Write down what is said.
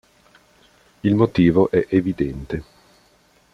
Il motivo è evidente.